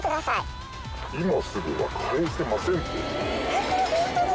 えっこれホントに？